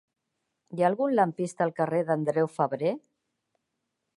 Hi ha algun lampista al carrer d'Andreu Febrer?